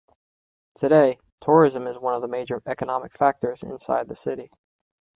Today, tourism is one of the major economic factors inside the city.